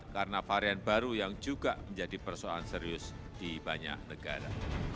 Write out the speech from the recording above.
karena varian baru juga yang menjadi persoalan serius dibanyak negara